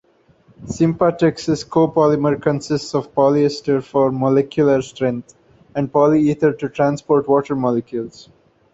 SympaTex's co-polymer consists of polyester for molecular strength, and polyether to transport water molecules.